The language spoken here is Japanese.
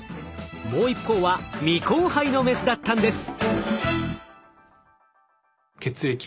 もう一方は未交配のメスだったんです。